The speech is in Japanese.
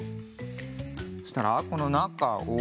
そしたらこのなかを。